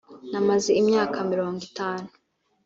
namaze imyaka mirongo itanu